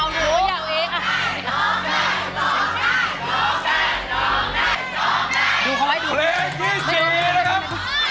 เพลงที่๔นะครับ